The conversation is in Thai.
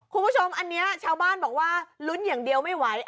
คุณผู้ชมอันนี้ชาวบ้านบอกว่าลุ้นอย่างเดียวไม่ไหว